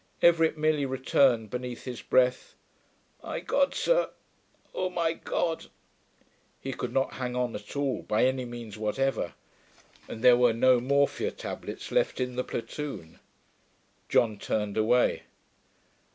Everitt merely returned, beneath his breath, 'My God, sir! Oh, my God!' He could not hang on at all, by any means whatever. And there were no morphia tablets left in the platoon.... John turned away.